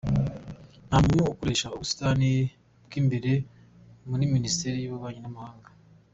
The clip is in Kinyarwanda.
Nta muntu ukoresha ubusitani bw’imbere ya Minisiteri y’Ububanyi n’Amahanga.